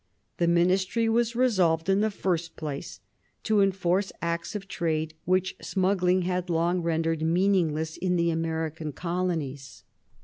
The Ministry was resolved, in the first place, to enforce Acts of Trade which smuggling had long rendered meaningless in the American colonies.